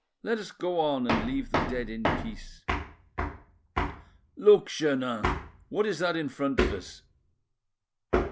Let us go on and leave the dead in peace." "Look, Jeannin! what is that in front of us?"